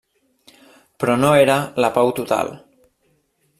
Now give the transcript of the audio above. Però no era la pau total.